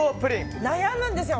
私、悩むんですよ。